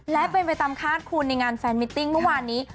และเป็นไปตามคาดคุณในงานแฟนมิตติ้งเมื่อวานนี้